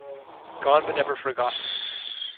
Gone but Never Forgotten.